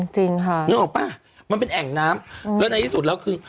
จริงค่ะนึกออกป่ะมันเป็นแอ่งน้ำแล้วในที่สุดแล้วคือ